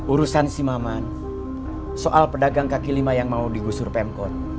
urusan simaman soal pedagang kaki lima yang mau digusur pemkot